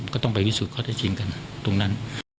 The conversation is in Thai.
ก็ต้องไปพิสูจน์ข้อเท็จจริงกันตรงนั้น